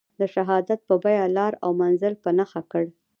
د شهادت په بیه لار او منزل په نښه کړ.